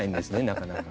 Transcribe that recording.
なかなか。